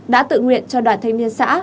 đã tự nguyện cho đoàn thanh niên xã